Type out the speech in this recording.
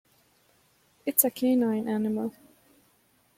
It's a canine animal.